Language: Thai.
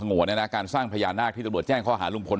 หนังการสร้างพญานาคที่ตระบวนแจ้งข้อหาลุงพล